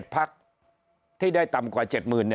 พักที่ได้ต่ำกว่า๗๐๐